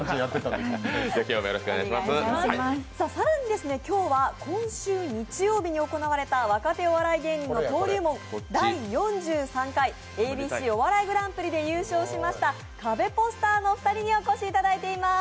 更に今日は今週日曜日に行われた若手お笑い芸人の登竜門、「第４３回ＡＢＣお笑いグランプリ」で優勝しました、カベポスターのお二人にお越しいただいています。